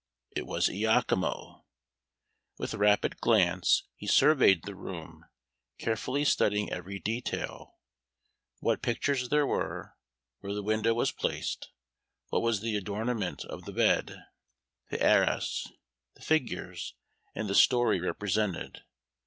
It was Iachimo. With rapid glance he surveyed the room, carefully studying every detail, what pictures there were, where the window was placed, what was the adornment of the bed, the arras, the figures and the story represented.